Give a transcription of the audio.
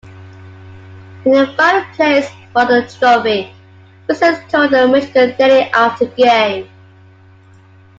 "We'll find a place for the trophy," Crisler told The Michigan Daily after game.